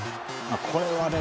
これはね